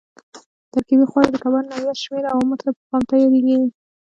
ترکیبي خواړه د کبانو نوعیت، شمېر او عمر ته په پام تیارېږي.